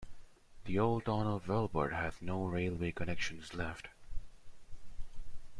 The old town of Velbert has no railway connection left.